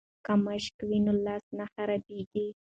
که مشق وي نو لاس نه خرابیږي.